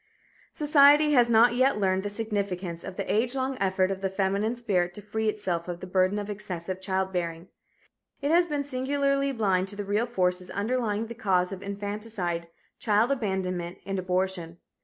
Society has not yet learned the significance of the age long effort of the feminine spirit to free itself of the burden of excessive childbearing. It has been singularly blind to the real forces underlying the cause of infanticide, child abandonment and abortion.